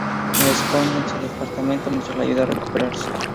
La esconde en su departamento mientras la ayuda a recuperarse.